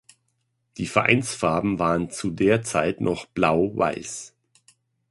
Die Vereinsfarben waren zu der Zeit noch Blau-Weiß.